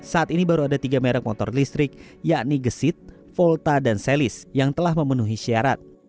saat ini baru ada tiga merek motor listrik yakni gesit volta dan selis yang telah memenuhi syarat